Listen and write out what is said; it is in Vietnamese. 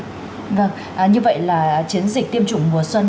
như vậy là chiến dịch tiêm chủng mùa xuân